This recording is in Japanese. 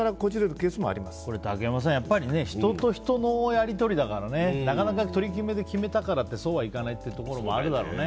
そうやって竹山さん、やっぱり人と人のやり取りだからなかなか取り決めで決めたからってそうはいかないところもあるだろうね。